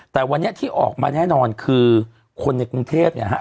แต่วันนี้ที่ออกมาแน่นอนคือคนในกรุงเทพเนี่ยฮะ